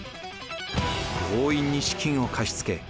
強引に資金を貸し付け